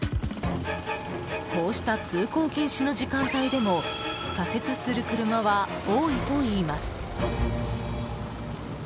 こうした通行禁止の時間帯でも左折する車は多いといいます。